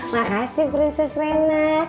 makasih prinses rena